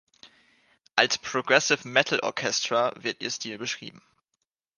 Als "Progressive Metal Orchestra" wird ihr Stil beschrieben.